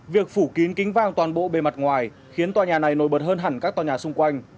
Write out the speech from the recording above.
việc phủ kín kính vang toàn bộ bề mặt ngoài khiến tòa nhà này nổi bật hơn hẳn các tòa nhà xung quanh